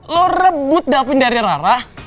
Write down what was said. lo rebut davin dari rarah